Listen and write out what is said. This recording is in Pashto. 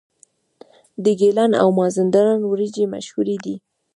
د ګیلان او مازندران وریجې مشهورې دي.